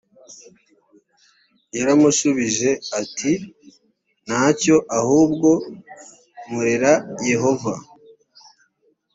yaramushubije ati nta cyo ahubwo nkorera yehova